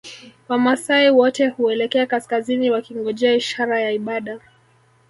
Wamaasai wote huelekea kaskazini wakingojea ishara ya ibada